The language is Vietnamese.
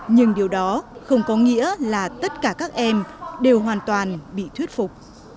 nhưng điều đó không có nghĩa là tất cả các em đều hoàn toàn bị thuyết phục